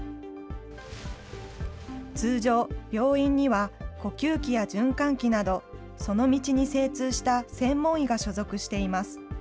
通常、病院には呼吸器や循環器など、その道に精通した専門医が所属しています。